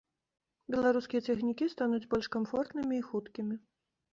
Беларускія цягнікі стануць больш камфортнымі і хуткімі.